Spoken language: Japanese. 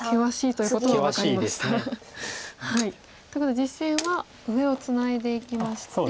ってことで実戦は上をツナいでいきまして。